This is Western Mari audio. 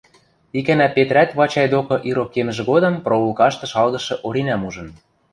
Икӓнӓ Петрӓт Вачай докы ирок кемӹжӹ годым проулкашты шалгышы Оринӓм ужын.